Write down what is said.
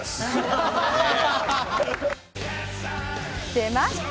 出ました！